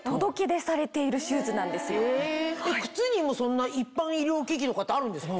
靴にもそんな一般医療機器とかってあるんですか？